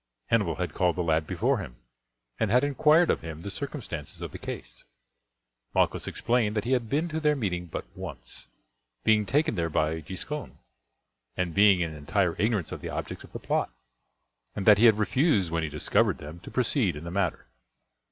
Hannibal had called the lad before him, and had inquired of him the circumstances of the case. Malchus explained that he had been to their meeting but once, being taken there by Giscon, and being in entire ignorance of the objects of the plot, and that he had refused when he discovered them to proceed in the matter.